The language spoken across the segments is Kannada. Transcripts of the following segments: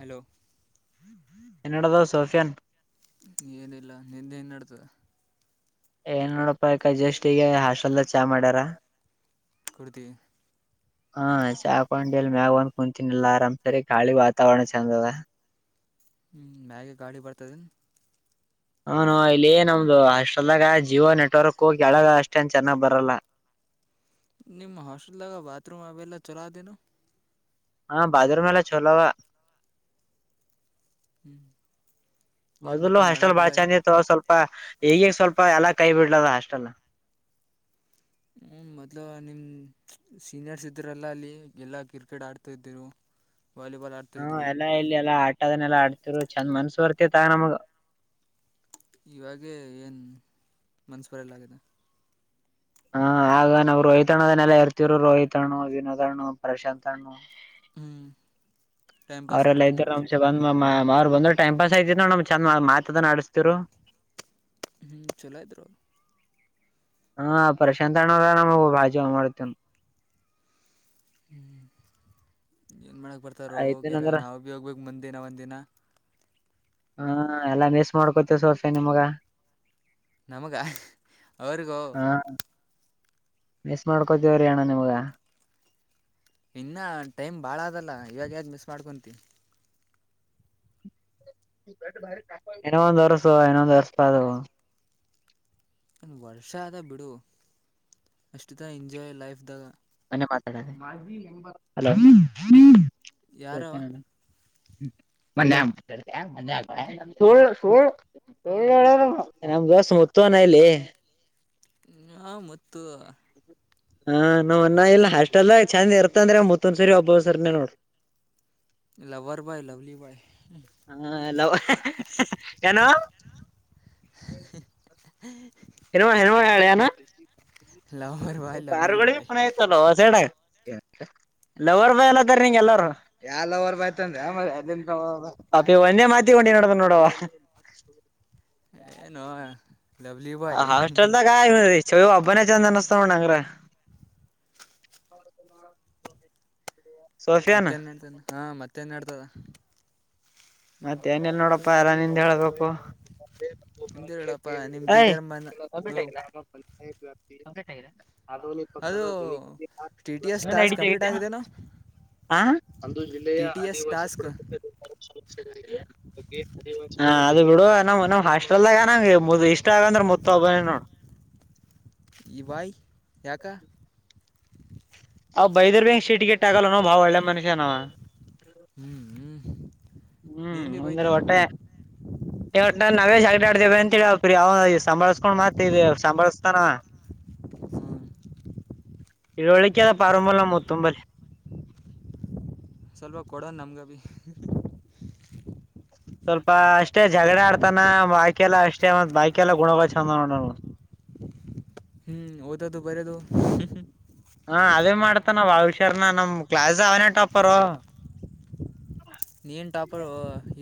ಹಲೋ? [inaudible] ಏನ್ ನಡದದ್ ಸೋಫಿಯನ್? [inaudible] ಏನಿಲ್ಲ ನಿಂದ ಏನ್ ನಡದದ. [inaudible] ಏನ್ ಇಲ್ಲ ನೋಡಪ್ಪಾ ಈಗ ಜಸ್ಟ್ ಈಗ ಹಾಸ್ಟೆಲ್ದಾಗ ಚಾ ಮಾಡ್ಯಾರ. [inaudible] ಕುಡಿದಿ. [inaudible] ಹಾ ಚಾ ಹಾಕೊಂಡ ಇಲ್ಲಿ ಮ್ಯಾಗ ಬಂದ ಕುಂತನ ಅಲ್ಲಾ ಆರಾಮ್ ಸರಿ ಗಾಳಿ ವಾತಾವರಣ ಚೆಂದ ಅದ. [inaudible] ಹೂ ಮ್ಯಾಗೂ ಗಾಳಿ ಗ ಬರ್ತದ ಏನ್? [inaudible] ಹ ನೋ ಇಲ್ಲಿ ನಮ್ದು ಹಾಸ್ಟೆಲದಾಗ ಜಿಯೋ ನೆಟ್ವರ್ಕ್ ಹೋಗಿ ಕೆಳಗ ಅಷ್ಟೇನ್ ಚೆನ್ನಾಗ್ ಬರಲ್ಲ. [inaudible] ನಿಮ್ಮ ಹಾಸ್ಟೆಲ್ದಾಗ ಬಾತ್ರೂಮ್ ಅವೆಲ್ಲ ಚಲೋ ಅದೇನು? [inaudible] ಹಾ ಬಾತ್ರೂಮ್ ಎಲ್ಲ ಚಲೋ ಅವ. [inaudible] ಹ್ಞೂ ಏನು ಮೊದಲು ಮತ್ತು ನಳ ಹಾಸ್ಟೆಲ್ ಬಾಳ ಬಿಳ ಚಂದಿತ್ ಅವಾ ಸ್ವಲ್ಪ ಈಗ ಸ್ವಲ್ಪ ಎಲ್ಲಾ ಕೈ ಬಿಟ್ಟದ ಹಾಸ್ಟೆಲ್. ಹ್ಮ್, ಮೊದ್ಲು ನಿಮ ಸೀನಿಯರ್ಸ್ ಇದ್ರಲ್ಲಾ ಅಲ್ಲಿ ಎಲ್ಲಾ ಕ್ರಿಕೆಟ್ ಆಡ್ತಾ ಇದ್ದ್ರು. ವಾಲಿಬಾಲ್ ಆಡ ಹ್ಮ್, ಎಲ್ಲಾ ಇಲ್ಲಿ ಎಲ್ಲಾ ಆಟದನ್ನಲ್ಲಾ ಆಡ್ತಿರು ಚಂದ್ ಮನ್ಸ ಬರ್ತಿತಅಣ್ಣ ನಮಗ್. ಇವಾಗೇ ಏನು ಮನಸ ಬರಲಾಗೆದ. ಹಾ, ಆಗ ನಾವು ರೋಹಿತ್ ಅಣ್ಣದನ್ನೆಲ್ಲಾ ಇರ್ತಿವ್ರು ರೋಹಿತ್ಣ, ವಿನೋದ ಅಣ್ಣ, ಪ್ರಶಾಂತ್ ಅಣ್ಣ ಹ್ಞೂ ಟೈಮ್ ಪಾಸ್ ಅವ್ರೆಲ್ಲ ಆಗ್ತಿತ್ತು ಇದ್ರು ಬಂದ್ ಬಂದ್ ಟೈ್ ಪಾಸ್ ಐತ ನಮ್ ಚಂದ್ ಮಾತ ಅದ ಆಡ್ತೀದರು. ಹ್ಮ್, ಚೋಲ ಇದ್ರು ಹಾ, ಪ್ರಶಾಂತ ಅಣ್ಣರೇನೆ ನಮೃ ಬಾಳ ಜೀವ ಮಾಡ್ತನ್- ಹ್ಮ್, ಏನು ಮಾಡಕ್ಕೆ ಬರ್ತಾರೋ ಐತೇನ್ ಹೋಗ್ಯಾರ ಅಂದ್ರ ನಾವುಬಿ ಹೋಗ್ಬೇಕು ಮುಂದಿನ ಒಂದಿನ. ಹ್ಮ ಎಲ್ಲಾ ಮಿಸ್ ಮಾಡ್ಕೋತಿವಿ ಸೋರ್ಫೆ [unintelligible] ನಿಮಗ ನಮಗಾ ಅವರಿಗೂ ಹಾ ಮಿಸ್ ಮಾಡ್ಕೋತೀವ್ರೀ ಅಣ್ಣಾ ನಿಮ್ಗ ಇನ್ನಾ ಟೈಮ್ ಬಾಳ ಅದಲ್ಲಾಇವಾಗ ಯಾಕ ಮಿಸ್ ಮಾಡ್ಕೊಂತಿ. ಇನ್ನೂ ಒಂದ್ ವರ್ಷ ಇನೊಂದ್ ವರ್ಸ [unintelligible] ಪಾದ ಒಂದು ವರ್ಷ ಆದ ಬಿಡು ಅಷ್ಟರದಾಗ ಎಂಜಾಯ್ ಲೈಫ್ದಾಗ ನನ್ನೆ ಮಾಡ ಹಲೋ ಯಾರ ಓಕೆ ನಡ [unintelligible] ಹ್ಮ ಮೊನ್ನೆ [inaudible] ಮ ಸ [unintelligible] ನಮ್ ದೋಸ್ತ ಮುತ್ತಾನ ಇಲ್ಲಿ. ಹ ಮತ್ತು [unintelligible] ಹಾ, ನಾವ್ ಅನ್ನ ಇಲ್ಲ ಹಾಸ್ಟೆಲ್ದಾಗಚಂದ ಇರ್ತ ಅಂದ್ರೆ ಮುತ್ತೊಂದ್ ಸರಿ ಒಬ್ಬ ಸರಿನೇ ನೋಡ. ಲವರ್ ಬಾಯ್ ಲವ್ಲಿ ಬಾಯ್ ಹಾ ಹಲೋ ಕನ [unintelligible] ಹ [inaudible] ಹ [inaudible] ಹನುಮ ಹೇನುಮ ಹಳಯ ನ ಲವರ್ ಬಾಯ್ ಲವ್ಲಿ ಬಾರಗಳ ಬಾಯ್ ಮ [unintelligible] ಲವರ್ ಸೈಡ್ ಲವರ್ ಬಾಯ್ ಅನ್ಲ್ಲತ್ತಾರನಿನಗ ಎಲ್ಲಾರು. ಯಾ ಲವರ್ ಬಾಯ್ತ್ಂದೆ ಮಾರಾಯ. ಒಂದೇ ಮಾತಿ ಹೊೊಂ [unintelligible] ಡಿ ನೋಡ್ ನೋಡವ ಹ [inaudible] ಏನೋ ಲವ್ಲಿ ಬಾಯ್ ಹಾಸ್ಟೆಲ್ದಾಗ ಚವಿ ಅಬ್ಬನ ಚಂದ ಅನ್ನಿಸಸ್ತ್ಣ್ಣಂಗರ [unintelligible] ಹ [inaudible] ಹ [inaudible] ಸಷ [unintelligible] ಮತ್ತೆ ನಡ್ತತದ, ಹಾ ಮತ್ತೆೇನ್ ನಡಿದಾದ. ಮತ್ತೆ ಏನಿಲ್ಲಾ ನೋಡಪ್ಪಾ ಎಲ್ಲಾ ನಿಂದ ಹೇಳ್ಬೇಕು. ನಿಮ್ದು ಹೇಳಪ್ಪ ನಿಮ್ಮ ್ಯಾ [inaudible] ಬೀದರ್ ಮನ ಹ್ಞೂ ಹದು ಪಕ್ಕದ ಅದು T T S task complete ಆಗಿದೆನೋ [unintelligible] ಹ ಅಂದು ಜಿಲ್ಲೆಯ T T S Adivasi task ಪರಕ [unintelligible] ಹ ಅದ ಬಿಡು ನಮ್ ನ್ ಹಾಸ್ಟೆಲ್ದಾಗ ನಂಗಾ ಇಷ್ಟ ಆಗದಂದ್ರೆ ಮುತ್ತು ಒಬ್ಬನೆ ನೋಡು. ಈ ಬಾಯ್ ಯಾಕ? ಅವ್ ಬೈದರ್ಬಿಸಿಟಿಗೆಟ್ಟ ಆಗಲ್ಲ ಅಲ್ವಾ ಬಾಳಒಳ್ಳೆ ಮನುಷ್ಯನಾಅವಾ. ಹ್ಮ್ ಹ್ಮ್ ನೇನು ಬಿ ಬೈತ [unintelligible] ಯಟ್ ನ ನಾವೇ ಜಾಕಟ್ ಆಡ್ತೇವ ಅಂತೇಳಿ್ರ ಅವ ಸಂಭಾಳ್ಸ್ಕೊಂಡ್ ಮತ್ ಇದ ಸಂಭಾಳಸ್ತಾನ [unintelligible] ಹ ಇಳೋಳ್ಳಿ ಅದ ಪರಾಂಬಲ್ಲ ಮೊತ್ತೊಂಬಲ್ಲಿ ಸ್ವಲ್ಪ ಕೊಡೋ ನಮ್ಗೆ ಅಭಿ ಸ್ವಲ್ಪ ಅಷ್ಟೇ ಜಗಳ ಆಡ್ತಾನ ಬಾಕೆಲ್ಲ ಅಷ್ಟೇ ಒಂದ್ ಬಾಯಕೆಲ್ಲ ಗುಣ ಗಳು ಚಂದ್ ನೋಡಣ ಹ್ಮ್ ಓದೋದು ಬರೆದು. ಹಾ ಅದೇ ಮಾಡ್ತ ನಾವ್ ಅವಳಷಾರನ ನಮ್ ಕ್ಲಾಸ್ ಅವ್ನೇ ಟಾಪರು. ನೀನು ಟಾಪರು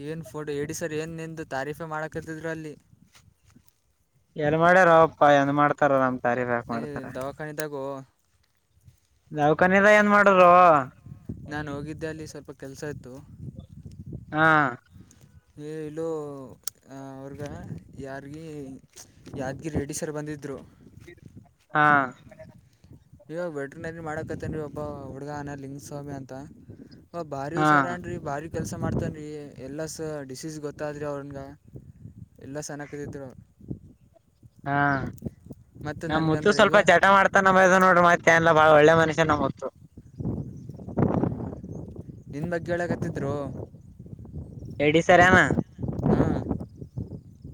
ಏನು ಫೋಟೋ ಹೇಡಿ ಸರ್ ಏನು ನಿಂದು ತಾರೀಫೆ ಮಾಡಕತಿದ್ರು ಅಲ್ಲಿ. ಎಲ್ ಮಾಡ್ಯಾರ ಅವಪ್ಪಾ ಏನ್ ಮಾಡ್ತಾರ ನಮ್ ತಾರಿ ಬ್ಯಾಕ್ ಏ ಮಾಡ್ತಾರೆ. ದವಾಖಾನಿದಾಗೂ ದವ್ಕಾನೆಗ ಏನ್ ಮಾಡದೋ. ನಾನ್ ಹೋಗಿದ್ದೆ ಅಲ್ಲಿ ಸ್ವಲ್ಪ ಕೆಲಸ ಇತ್ತು. ಹಾ ಇಲ್ಲೂ ಅವ್ರಗ ಯಾರಿಗಿ ಯಾದಗಿರಿ ರೆಡ್ಡಿ ಸರ್ ಬಂದಿದ್ದ್ರೂ ಹಾ ಇವಾಗ ವೆಟ್ರನರಿ ಮಾಡಕತ್ತೇನ್ ಒಬ್ಬ ಹುಡುಗನ ಲಿಂಗಸ್ವಾಮಿ ಅಂತ. ಒ ಬಾರಿ ಹಾ ಹುಷಾರನ್ರಿ ಬಾರಿ ಕೆಲಸ ಮಾಡ್ತನ್ ರೀ ಎಲ್ಲಾ ಸ ಡಿಸೀಸ್ ಗೊತ್ತಾದ್ರೆ ಅವನ್ಗ ಎಲ್ಲಾ ಸನಕದಿದರು ಅವ್ ಹಾ ಮತ್ತು ನಮ್ಮ ಮುತ್ತು ನನಗಂದ್ರೆ ಸ್ವಲ್ಪ ಇವ ಜಟ ಮಾಡ್ತ್ ತ್ತಾನ ನೋಡ ಮತ್ತೆ ಎಲ್ಲಾ ಬಾಳ ಒಳ್ಳೆ ಮನುಷ್ಯ ನಮ್ ಮುತ್ತು. ನಿನ್ ಬಗ್ಗೆ ಕೇಳಕತ್ತಿದ್ರು. ರೆಡ್ಡಿ ಸರೆನಾ ಹಾಂ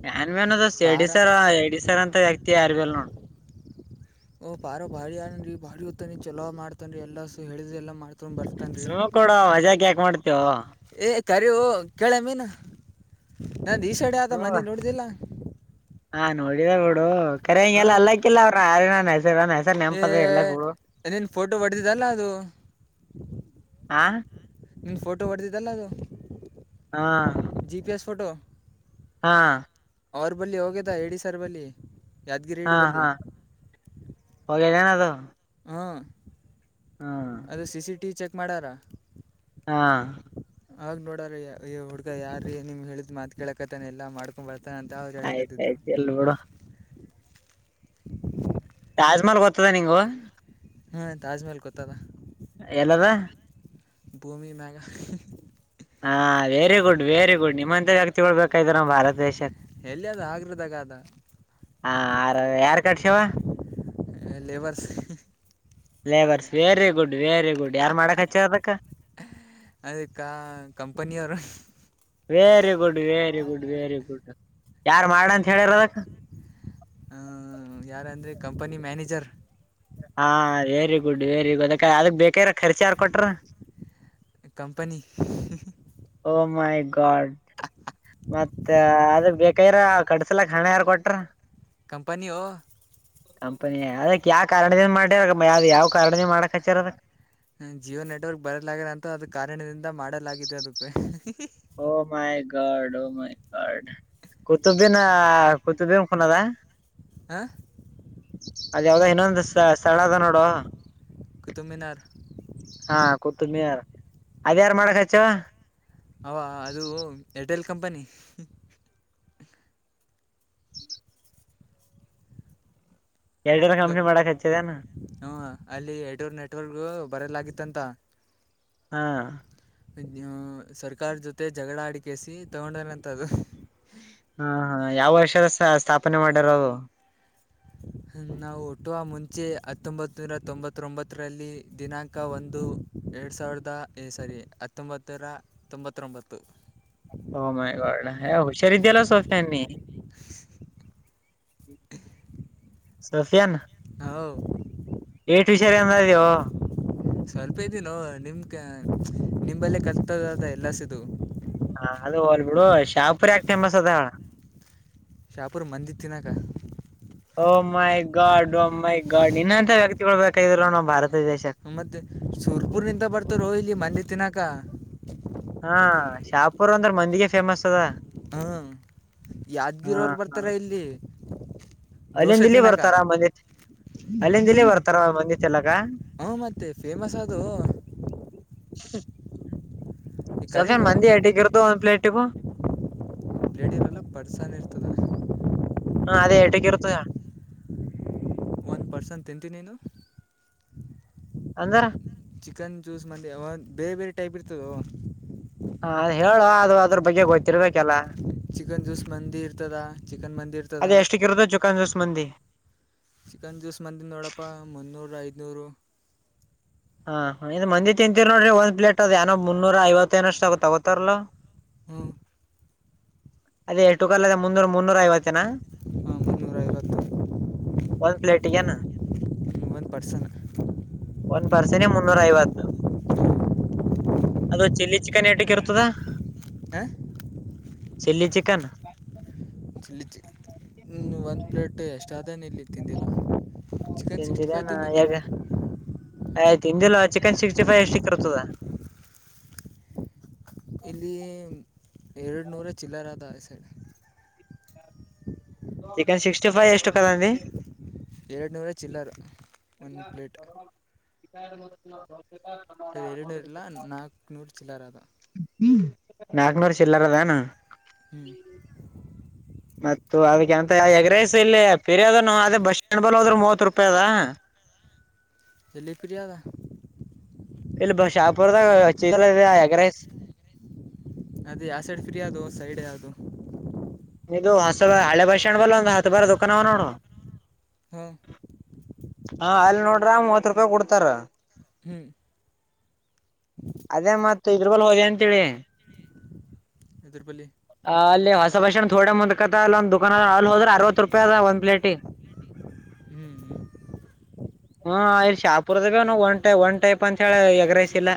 ಏನ್ ಮನ್ ಅದ ಎಡಿ ಪಾರ ಸರ್ ಎಡಿ ಸರ್ ಅಂತ ವ್ಯಕ್ತಿ ಯಾರ್ ಬಿಲ್ ನೋಡ್ ಓಹ ರ ಬಾಳ ಅವನ್ ರೀ ಬಾಡಿ ಉತಾನಿ ಚಲೋ ಮಾಡತನ್ ಎಲ್ಲಾ ಸ ಹೇಳಿದ ಎಲ್ಲಾ ಮಾಡ್ತೊಂಡ ಬರ್ತ್ ಸ್ಲೋ ಕೋಡು ವಜಕ ಯಾಕೆ ಮಾಡ್ತೀಯೋ ಏ ಕರಿವು ಕೇಳೆ ಮೀನು ನನ್ ಈಶಾಡ್ಯ ಯಾವ್ದೋ ಸುಮ್. ಮನಿ ನೋಡ್ದಿಲ್ಲ. ಹಾ ನೋಡಿದ ಬಿಡು ಕರೆ ಹಾಂ ಹಂಗೆಲ್ಲ ಮತ್ತು ಅಲ್ಲಾಕ್ಕಿಲ್ಲ ಅವ್ರ ಆರನ ಹೆಸರ ನ ಏ ನೀನು ಫೋಟೋ ಹೊಡೆದಿದಲ್ಲ ಅದು ಹಾ ನಿನ್ನ ಫೋಟೋ ಹೊಡೆದಿದ್ದಲ್ಲ ಅದು ಹಾ ಜಿ ಪಿ ಎಸ್ ಫೋಟೋ. ಹಾ ಅವ್ರ ಬಳಿ ಹೋಗ್ಯದ ಎಡಿ ಸರ್ ಬಳಿ ಹಾ ಹಾ ಹೋಗಲ್ಲನಾದು ಹಾ ಅದೇ C C T V check ಮಾಡ್ಯಾರಾ. ಹಾ ಆ ನೋಡ್ರೀ ಈ ಹುಡ್ಗ ಯಾರೀ ನಿಮ್ ಹೇಳಿದ್ ಮಾತ ಕೇಳಕತಾನ ಎಲ್ಲ ಮಾಡ್ಕ ಬರ್ತಾನ ಅಂತ ಅವರೂ ಹೇಳಕತ್ತಿದ್ರೂ. ನೋಡ ತಾಜ್ಮಹಲ್ ಗೊತ್ತದ ನಿಂಗ. ಹಾ ತಾಜ್ಮಹಲ್ ಗೊತ್ತದ. ಎಲ್ಲಾದ ಭೂಮಿ ಮ್ಯಾಗ ಹಾ ವೆರಿ ಗುಡ್ ವೆರಿ ಗುಡ್ ನಿಮ್ಮಂತ ವ್ಯಕ್ತಿಗಳು ಬೇಕಾಗಿರೋದು ನಮ್ಮ ಭಾರತ ದೇಶಕ್ಕ್ ಎಲ್ಲಿ ಅದು ಆಗ್ರದಾಗ ಅದ. ಹಾ ಆರ ಯಾರ್ ಕಟ್ಸಿವ labourers labourers very good very good ಯಾರ್ ಮಾಡಕ್ ಹಚ್ಚದಕ್ಕ. ಅದಕ ಕಂಪನಿಯರು. Very good, very good, very good ಯಾರ್ ಮಾಡಂತ ಹೇಳಿರ ಅದಕ ಯಾರಂದ್ರರೆ ಕಂಪನಿ ಮ್ಯಾನೇಜರ್ ಹಾ, ವೆರಿ ಗುಡ್, ವೆರಿ ಗಡ್ ಅದ ಅದಕ್ ಬೇಕಾಗಿರೊ ಖರ್ಚ ಯಾರು ಕೊಟ್ರ ಕಂಪನಿ ಓಮೈ ಗಾಡ್ ಮತ್ತ ಅದು ಬೇಕ ಅ ಕಡ್ಸಲಕ್ ಹಣ ಯಾರ ಕೊಟ್ರ? ಕಂಪನಿಯೋ- ಕಂಪನಿ ಅದಕ್ ಯಾವ ಕಾರಣದ ಮಾಡ್ಯಾರ ಯಾವ್ದ ಯಾವ ಕಾ [unintelligible] ದ ಮಾಡಕ್ ಹಚ್ಚಾರ ಅದ ಹಾ, ಜಿಯೋ ನೆಟ್ವರ್ಕ್ ಬರಲಾಗದಂತ ಅದಕ ಕಾರಣದಿಂದ ಮಾಡಲಾಗಿದೆ ಅದಕ್ಕೆ. Oh! My God, oh my God ಕುತುಬಿನ ಕುತುಬನ್ ಕೊನದ ಹಾಂ [unintelligible] ಅದ ಯಾವ್ದೋ ಇನ್ನೊಂದು ಸ್ಥಳ ಅದ ನೋಡು ಕುತುಬಮಿನಾರ ಹಾ, ಕುತಬ ಮಿನಾರ ಅದ ಯಾರು ಮಾಡಕ್ಚ್ ಅವ ಅದು Airtel company Airtel company ಮಾಡಕಚ್ಚದೆೇನು. ಹ್ಮ, ಅಲ್ಲಿ ಎರ ಟೆಲ್ ನೆಟ್ವರ್ಕ್ ಬರಲಾಗಿತ್ತಂತ. ಹಾ, ಸರ್ಕಾರ ಜೊತೆ ಜಗಳ ಆಡಿಕೆಸಿ ತಗೊಂಡಹೋಗನಂತ ಅದು. ಹಾ, ಹಾ ಯಾವ ವರ್ಷದ ಸ್ಥಾಪನೆ ಮಾಡ್ಯಾರ ಅದು. [inaudible] ನಾವು ಹುಟ್ಟುವ ಮುಂಚೆ ಹತ್ತೊಂಬತ್ತುನೂರ ತೊಂಬತ್ತೊಂಬತ್ತರಲ್ಲಿ ದಿನಾಂಕ ಒಂದು ಎರಡು ಸಾವಿರದ ಈ ಸರಿ ಹತ್ತೊಂಬತ್ತರ ತೊಂಬತ್ತೊಂಬತ್ತು. ಓಹೋ ಮೈಗಾಡ ಹುಷಾರಿದಲ್ಲ ಸೋಫ್ಯನಿ ಸಫಿಯನ್ [unintelligible] ಹೌ [inaudible] ಏಟು ವಿಷಾರ ಎಂದ ದೋ [unintelligible] ಸ್ವಲ್ಪ ಇದೇ ನೋ ನಿಮ್ ಕ ನಿಂಬಲ್ಲೇ ಕರೇಕ್ಟಾದ ಎಲ್ಲಾಸಿದು. ಹಾ, ಅದು ಹೋಗಲ್ಬೀಡು ಶಹಾಪುರ ಯಾಕೆ ಫೇಮಸ್ ಅದ ಹೇಳ್ ಶಾಪೂರ್ ಮಂದಿದತ್ತಿನ್ನಕಾ ಓಹೋ ಮೈ ಗಾಡ್ ಓಹೋ ಮೈ ಗಾಡ್ ನಿನ್ನಂತ ವ್ಯರೈಟಿಗಳು ಬೇಕಾಗಿದ್ರ ನೋಡ ನಮ್ಮ ಭಾರತ ದೇಶಕ್ಕೆ. ಮತ್ತೆ ಸುರ್ಪುರದಿಂದ ಬರ್ತಾರೋ ಇಲ್ಲಿ ಮಂದಿದ ತಿನ್ನಾಕ. ಹಾ, ಶಾಪೂರ್ ಅಂದ್ರೆ ಮಂದಿಗೆ ಫೇಮಸ್ ಅದಾ ಹಾ, ಯಾದ್ಗಿರ ಅವರು ಹಾ ಬರ್ತಾರ ಇಲ್ಲಿ. ಅಲ್ಲಿಂದ ದೋಸೆ ಇಲ್ಲಿ ತಿನ್ನಕ ಬರ್ತಾರಾ ಮಂದಿದ, ಅಲ್ಲಿಂದ ಇಲ್ಲಿ ಬರ್ತಾರ ಮಂದಿದ ಚಿನ್ನಾಟ. ಹ್ಮ್, ಮತ್ತೆ ಫೇಮಸ್ ಆದೋ ಈ ಸಫೆನ್ ಕರಿಂಗು ಮಂದಿ ಹಟಗಿರ್ದು [unintelligible] ಒಂದ್ ಪ್ಲೇಟಗ ಪ್ಲೇಟಿಂದ ಇರಲ್ಲಾ ಪಾರ್ಷಲ್ ಇರ್ತದರಿ. ಹಾ, ಅದೇ ಎಟಕಇರ್ತದಾ ಪಾರ್ಸಲ್ ತಿಂತಿ ನೀನು ಅಂದ್ರ [inaudible] ಚಿಕನ್ ಜ್ಯೂಸ್ ಮತ್ತೆ ಒ ಬೇರೆ ಬೇರೆ ಟೈಪ್ ಇರ್ತದೋ ಹ, ಹೇಳೋಅದು ಅದ್ರ ಬಗ್ಗೆ ಗೊತ್ತಿರ್ಬೇಕಲ್ಲಾ ಚಿಕನ್ ಜೂಸ್ ಮಂದಿರ್ತದಾ, ಚಿಕನ್ ಮಂದಿರ್ತದ. ಅದ ಎಷ್ಟಕ್ ಇರುತೋ ಚಿಕನ್ ಜ್ಯೂಸ್ ಮಂದಿ ಚಿಕನ್ ಜ್ಯೂಸ್ ಮಂದಿ ನೋಡಪ್ಪ ಮುನ್ನೂರು ಐದುನೂರು. ಹಾ ಇದು ಮಂದಿ ತಿಂತೀರ್ ನೋಡ್ರಿ ಒಂದ್ ಪ್ಲೇಟ್ ಅದ ಏನ ಮುನ್ನೂರ ಐವತೆನಷ್ಟಗುತಾ ಗೋತಾರಲ್ಲಾ. ಹ್ಮ್ಮ್. ಅದೇ ಟುಕಾಲಗ ಮುನ್ನೂರ್ ಮುನ್ನೂರ ಐವತ್ತೆನ. ಹಾಂ ಮುನ್ನೂರ ಐವತ್ತು ಒಂದ್ ಪ್ಲೇಟಿಗೆನ. ಒನ್ ಪರ್ಸನ. ಒನ್ ಪರ್ಸನಿಗ್ ಮುನ್ನೂರ್ ಐವತ್ತು. ಅದ್ ಚಿಲ್ಲಿ ಚಿಕನ್ ಏಟಕಿರ್ತದಾ. ಹಾಂ ಚಿಲ್ಲಿ ಚಿಕನ್. ಚಿಲ್ಲಿ ಚಿ ಒನ್ ಪ್ಲೇಟ್ಟು ಎಷ್ಟುಾದನಿಲ್ಲಿ ತಿಂದಿಲ್ಲ. ಚಿಕನ್ ಸಿಕ್ಸ್ಟಿ ಫೈವ್ ತಿಂದಿದನಾ ತಿಂದೀನಿ ಯಗ ಆಯ್ ತಿಂದಿಲ್ಲ ಚಿಕನ್ ಸಿಕ್ಸ್ಟಿ ಫೈ ಎಷ್ಟಕ್ ಇರ್ತದ. ಇಲ್ಲಿ ಎರಡ್ ನೂರ ಚಿಲ್ಲರದ ಸರ್. ಚಿಕನ್ ಸಿಕ್ಸ್ಟಿ ಫೈ ಎಷ್ಟು ಕದವ್ಮಿ. ಎರಡ್ ನೂರ ಚಿಲ್ಲರೆ ಒನ್ ಪ್ಲೇಟ್. [inaudible] ಎರೆಡ್ನೂರ್ಲ ನಾಕ್ನೂರ್ ಚಿಲ್ಲರದ. ಹ್ಮ್ ನಾಕ್ನೂರ್ ಚಿಲ್ಲರದನು. ಹ್ಮ್. ಮತ್ತ ಅದಕ್ಕೆಂತ ಎಗ್ ರೈಸ್ ಇಲ್ಲಿ ಪಿರಿಯಾದನೋ ಅದ ಬಸ್ ಸಂಡ್ ಬಲೂದ್ರೆ ಮೂವತ್ ರೂಪಾಯ್ ಅದ. ಎಲ್ಲಿ ಪಿರ್ಯಾದ. ಇಲ್ಲಿ ಬಶಾಪುರ್ದಾಗ [unintelligible] ಯಗ್ ರೈಸ್. ಅದೇ ಯಾ ಸೈಡ್ ಫ್ರೀ ಯದೋ ಸೈಡ್ ಯದು. ಇದು ಹೊಸದ ಹಳೆ ಬಸ್ ಸ್ಟ್ಯಾಂಡ್ [unintelligible] ಹತ್ ಬಾರ್ದುಕಾನವ್ ನೋಡು. ಹಾ. ಹಾ ಅಲ್ ನೋಡ್ರ ಮೂವತ್ ರೂಪಾಯ್ಗ್ ಕೊಡ್ತಾರ. ಹ್ಮ್. ಅದೇ ಮತ್ ಇದ್ರ [unintelligible] ಹೋಗಿ ಅಂತೀವಿ. ಎದ್ರುಬಲಿ. ಅಲ್ಲಿ ಹೊಸ ಬಸ್ ಸ್ಟಾಂಡ್ ತೊಡ ಮುಂದುಕದ ಅಲ್ ಒಂದ್ ದುಕಾಣದ ಅಲ್ ಹೋದ್ರೆ ಅರವತ್ ರೂಪಯ್ ಅದ ಒನ್ ಪ್ಲೇಟಿಗ್. ಹ್ಮ್ ಹ್ಮ್. ಹೂ ಅಲ್ ಶಾಪುರ್ದಾಗನು ಒನ್ ಟೈ ಒನ್ ಟೈಪ್ ಅಂತ್ ಹೇಳಿ ಎಗ್ ರೈಸ್ ಇಲ್ಲ.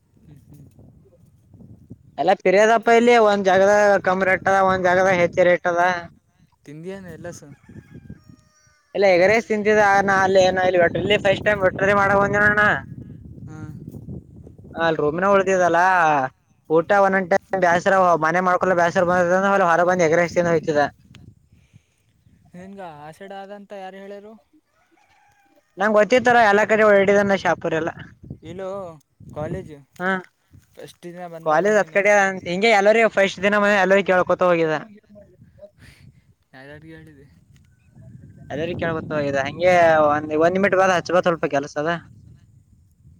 ಹ್ಮ ಹ್ಮ. ಎಲ್ಲ ಪಿರಿಯದಪ್ಪ ಇಲ್ಲಿ ಒಂದ್ ಜಾಗ್ದ ಕಮ್ ರೇಟ್ ಅದ ಒಂದ್ ಜಾಗ್ದ ಹೆಚ್ ರೇಟ್ ಅದ. ತಿಂದಿಯೇನ್ ಎಲ್ಲಸು. ಅಲ್ಲ ಎಗ್ ರೈಸ್ ತಿಂತಿದ. ನಾಲೆ ನೈಲೆ ಒಟ್ ಇಲ್ಲಿ ಫಸ್ಟ್ ಟೈಮ್ ಒಟ್ರೆ ಮಾಡ ಕುಂತ್ನಿ ನಾನು. [inaudible] ಅಲ್ ರೊಮ್ನ ಹೊಡ್ದಿದಲ. ಊಟ ಒನನ್ ಟೈಮ್ ಬಸ್ರ ಮನೆ ಮಾಡ್ಕಲ್ಲ ಬಸ್ರ ಬಂದತಂದ್ರೆ ಹೊರ ಬಂದ್ ಎಗ್ ರೈಸ್ ತಿನ್ನ ಬೇಕಿದ. ನಿನ್ಗ ಆಸೆಡದಂತ ಯಾರ್ ಹೇಳರು. ನಂಗ್ ಗೊತ್ತಿತ್ತರ ಎಲ್ಲ ಕಡೆ ಒರಡಿದನ್ನ ಶಾಪಿರಲ್ಲ. ಇಲ್ಲು ಕಾಲೇಜು ಹಾ ಫೆಸ್ಟ್ ದಿನ ಬಂದಾಗ ನೀನು. ಇಂಗೆ ಎಲ್ಲರಿಯ ಫಸ್ಟ್ ದಿನ ಮ ಅಲ್ಲೋಯ್ ಕೇಳ್ಕೊತ ಹೋಗಿದನ. ಯಾರರಿಗೆಳಿದಿ. ಅದರಿ ಕೇಳ್ ಗೊತೋಗಿದೆ ಹಂಗೆ ಒಂದ್ ಒಂದ್ ನಿಮಿಟ್ ಒಂದ್ ಹಚ್ಕೋ ಸ್ವಲ್ಪ್ ಕೆಲ್ಸದ.